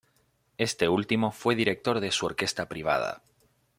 Este último fue director de su orquesta privada.